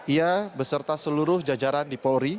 ia beserta seluruh jajaran di polri